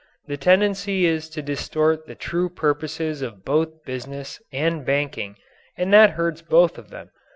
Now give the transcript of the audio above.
The tendency is to distort the true purposes of both business and banking and that hurts both of them.